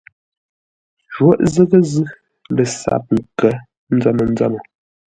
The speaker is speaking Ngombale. Jwóghʼ zə́ghʼə́ zʉ́ lə sáp nkə̌ nzəm-nzəmə.